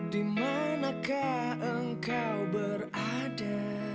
dimanakah engkau berada